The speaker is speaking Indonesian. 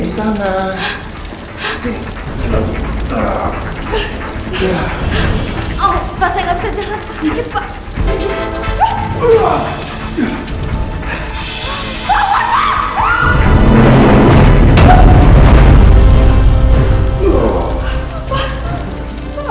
tidak bisa pak